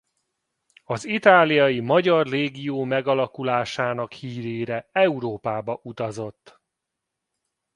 Az itáliai Magyar Légió megalakulásának hírére Európába utazott.